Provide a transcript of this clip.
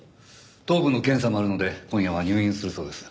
頭部の検査もあるので今夜は入院するそうです。